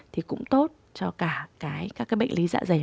thì cũng tốt cho cả cái các cái bệnh lý dạ dày